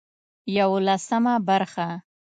يولسمه برخه